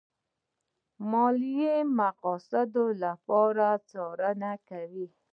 ماليې مقاصدو لپاره څارنه کوي.